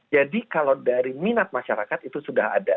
jadi kalau dari minat masyarakat itu sudah ada